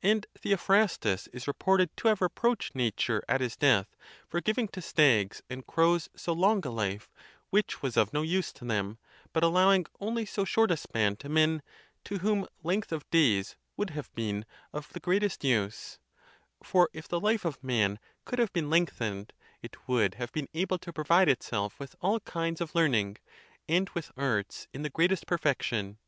And Theophrastus is reported to have reproached nature at his death for giving to stags and crows so long a life, which was of no use to them, but allowing only so short a span to men, to whom length of days would have been of the greatest use; for if the life of man could have been lengthened, it would have been able to provide itself with all kinds of learning, and with arts in the greatest perfection.